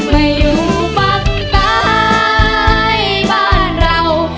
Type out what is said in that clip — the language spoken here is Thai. มาอยู่ฝั่งใต้บ้านเรา